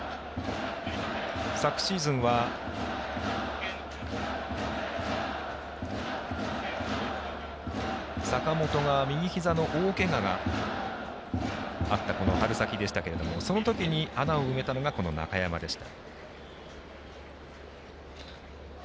昨シーズンは坂本が右ひざの大けががあったこの春先でしたけれどもその時に穴を埋めたのが中山でした。